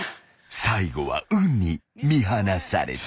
［最後は運に見放された］